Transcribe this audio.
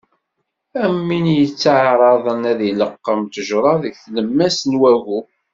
Am win yetteɛraḍen ad ileqqem ttejra deg tlemmast n wagu.